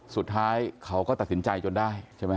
สุดท้ายเขาก็ตัดสินใจจนได้ใช่ไหมฮ